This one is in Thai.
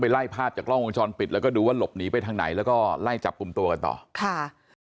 แล้วก็ดูว่าหลบหนีไปทางไหนแล้วก็ไล่จับกลุ่มตัวกันต่อ